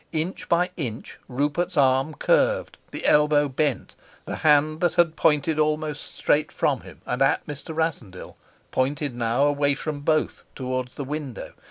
Inch by inch Rupert's arm curved, the elbow bent, the hand that had pointed almost straight from him and at Mr. Rassendyll pointed now away from both towards the window.